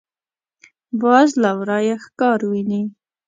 باز له ورايه ښکار ویني